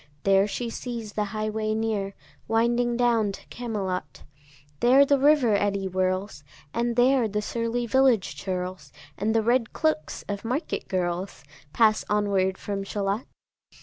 There she sees the highway near Winding down to Camelot: There the river eddy whirls, And there the surly village churls, And the red cloaks of market girls, Pass onward from Shalott.